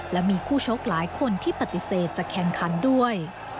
และมีคู่ชกหลายคนที่ปฏิเสธจะแข่งขันด้วย